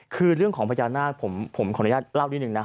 คือเรื่องของพญานาคผมขออนุญาตเล่านิดนึงนะ